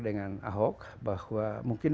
dengan ahok bahwa mungkin